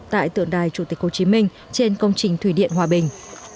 tại tượng đài chủ tịch hồ chí minh trên công trình thủy điện hòa bình